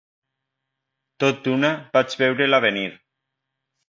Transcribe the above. Tot d'una, vaig veure-la venir